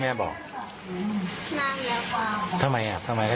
แม่จะเป็นหมอนั่ว